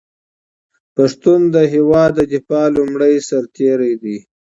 پښتون د هېواد د دفاع لومړی سرتېری دی.